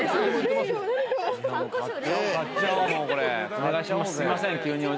お願いします。